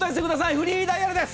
フリーダイヤルです。